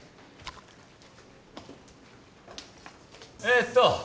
えっと